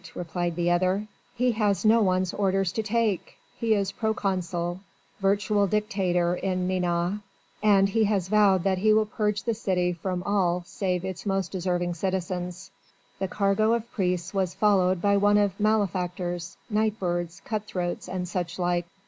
replied the other. "He has no one's orders to take. He is proconsul virtual dictator in Nantes: and he has vowed that he will purge the city from all save its most deserving citizens. The cargo of priests was followed by one of malefactors, night birds, cut throats and such like.